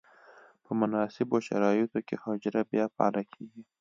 په مناسبو شرایطو کې حجره بیا فعاله کیږي.